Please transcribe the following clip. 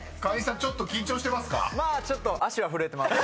ちょっと緊張してますか？］